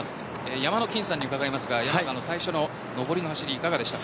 山の金さんに伺いますが最初の上りの走りいかがでしたか。